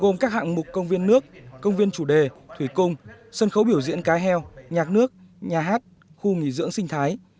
gồm các hạng mục công viên nước công viên chủ đề thủy cung sân khấu biểu diễn cá heo nhạc nước nhà hát khu nghỉ dưỡng sinh thái